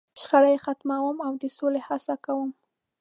.شخړې یې ختموم، او د سولې هڅه کوم.